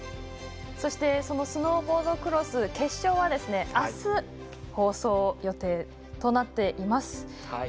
そしてスノーボードクロスの決勝はあす放送予定となっています。